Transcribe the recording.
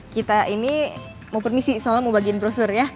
kita ini mau permisi soalnya mau bagiin prosedur ya